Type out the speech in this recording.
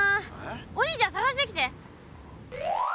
お兄ちゃんさがしてきて！